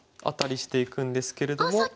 アタリしていくんですけれども。